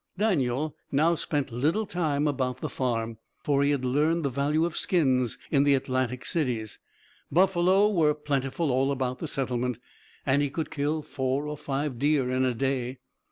Daniel now spent little time about the farm, for he had learned the value of skins in the Atlantic cities. Buffalo were plentiful all about the settlement, and he could kill four or five deer in a day.